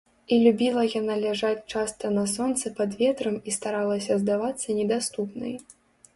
І любіла яна ляжаць часта на сонцы пад ветрам і старалася здавацца недаступнай.